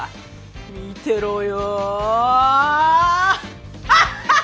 見てろよ。